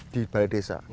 di balai desa